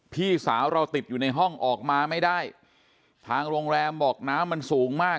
พี่สาวเราติดอยู่ในห้องออกมาไม่ได้ทางโรงแรมบอกน้ำมันสูงมาก